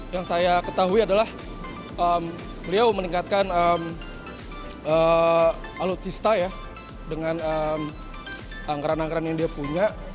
yang saya ketahui adalah beliau meningkatkan alutsista ya dengan anggaran anggaran yang dia punya